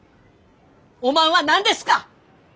おまんは何ですか！？